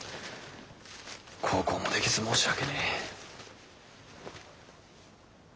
孝行もできず申し訳ねぇ。